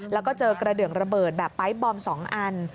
แล้วก็เจอกระเดืองระเบิดแบบไปร์ทบอม๒อัน